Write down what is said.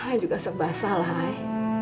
i juga serba salah ay